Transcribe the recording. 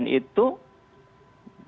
nggak boleh dibiarkan